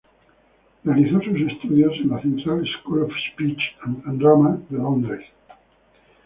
Realizó sus estudios en la Central School of Speech and Drama en Londres.